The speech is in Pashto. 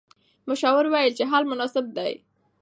مشاور وویل چې حل مناسب دی.